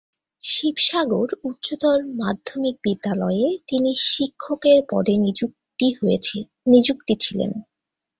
শিবসাগর উচ্চতর মাধ্যমিক বিদ্যালয়ে তিনি শিক্ষকের পদে নিযুক্তি ছিলেন।